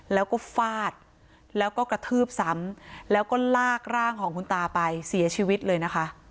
แล้วก็ฟาดแล้วก็กระทืบซ้ำแล้วก็ลากร่างของคุณตาไปเสียชีวิตเลยนะคะ